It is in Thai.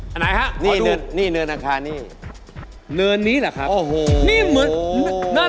อันไหนครับขอดู